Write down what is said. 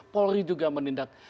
polri juga menindak